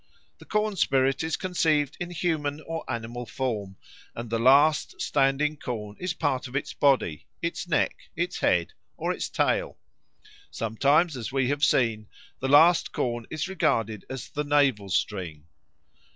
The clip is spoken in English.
The corn spirit is conceived in human or animal form, and the last standing corn is part of its body its neck, its head, or its tail. Sometimes, as we have seen, the last corn is regarded as the navel string.